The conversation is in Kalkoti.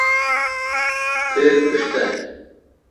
تھیر مݭ تھ۔